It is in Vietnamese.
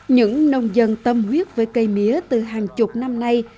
những nông dân tâm huyết với cây mía từ hàng chục năm nay